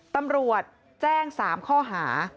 ตำรวจแจ้ง๓ข้อหา